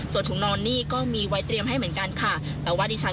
ส่วนถุงนอนนี้ก็มีไว้เตรียมให้เหมือนกันค่ะ